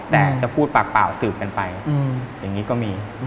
แต่จะพูดปากเปล่าสืบกันไปอย่างนี้ก็มี